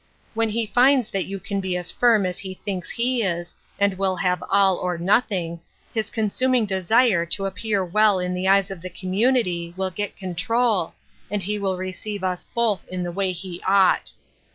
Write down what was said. When he finds that you can be as firm as he thinks he is, and will have all, or nothing, his consuming desire to appear well in the eyes of the community, will get control, and he will receive us both in the way he ought.